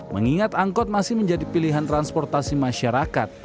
mengingat angkot masih menjadi pilihan transportasi masyarakat